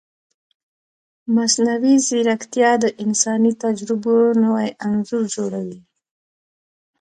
مصنوعي ځیرکتیا د انساني تجربو نوی انځور جوړوي.